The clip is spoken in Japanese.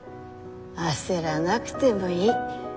焦らなくてもいい。